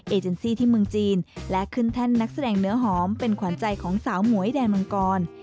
เจนซี่ที่เมืองจีนและขึ้นแท่นนักแสดงเนื้อหอมเป็นขวัญใจของสาวหมวยแดนมังกร